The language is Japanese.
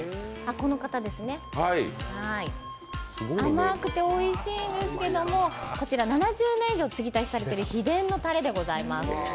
この方ですね、甘くておいしいんですけど、こちら７０年以上つぎ足しされている秘伝のたれでございます。